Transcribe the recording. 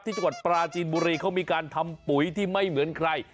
จังหวัดปราจีนบุรีเขามีการทำปุ๋ยที่ไม่เหมือนใคร